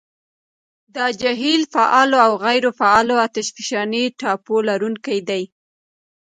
دا جهیل فعالو او غیرو فعالو اتشفشاني ټاپو لرونکي دي.